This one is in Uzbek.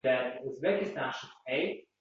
Inson esa Ollohning bandasi emasmi?